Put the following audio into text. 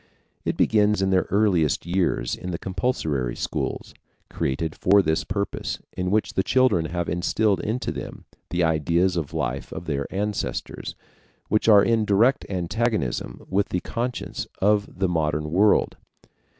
It begins in their earliest years in the compulsory schools, created for this purpose, in which the children have instilled into them the ideas of life of their ancestors, which are in direct antagonism with the conscience of the modern world.